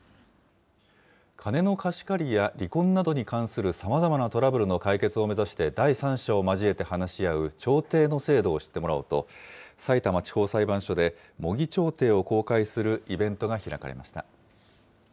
金の貸し借りや離婚などに関するさまざまなトラブルの解決を目指して、第三者を交えて話し合う調停の制度を知ってもらおうと、さいたま地方裁判所で模擬調停を公開するイベントが開かれました。